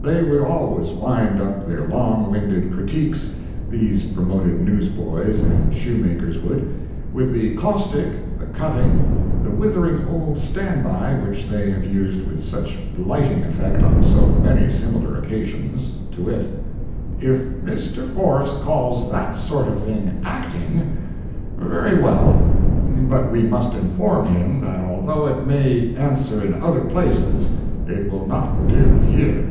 They would always wind up their long winded "critiques"—these promoted newsboys and shoemakers would—with the caustic, the cutting, the withering old stand by which they have used with such blighting effect on so many similar occasions, to wit: "If Mr. Forrest calls that sort of thing acting—very well; but we must inform him, that although it may answer in other places, it will not do here..."